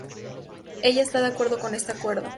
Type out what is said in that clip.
Ella está de acuerdo con este acuerdo.